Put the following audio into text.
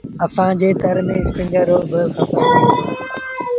اسآݩ ري تر ميݩ اسپِنگر رو با ڦسل ٿئي دو